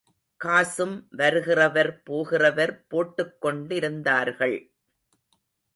காசும் வருகிறவர் போகிறவர் போட்டுக்கொண்டிருந்தார்கள்.